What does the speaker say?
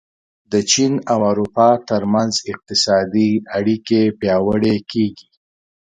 د چین او اروپا ترمنځ اقتصادي اړیکې پیاوړې کېږي.